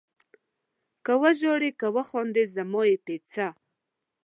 که ژاړې که خاندې زما یې په څه؟